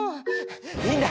いいんだ。